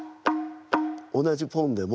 同じポンでも。